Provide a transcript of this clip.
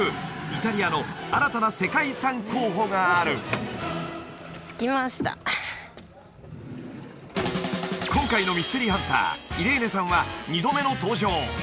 イタリアの新たな世界遺産候補がある今回のミステリーハンターイレーネさんは２度目の登場